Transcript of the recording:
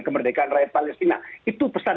kemerdekaan rakyat palestina itu pesan